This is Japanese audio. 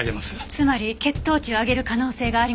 つまり血糖値を上げる可能性がありますね。